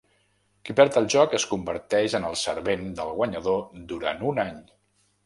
Qui perd el joc es converteix en el servent del guanyador durant un any.